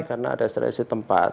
karena ada sterilisasi tempat